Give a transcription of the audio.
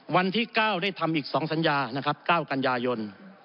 วันที่๙ได้ทำอีก๒สัญญานะครับ๙กันยายน